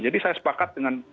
jadi saya sepakat dengan